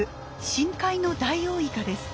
深海のダイオウイカです。